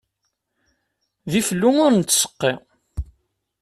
D iflu ur nettseqqi.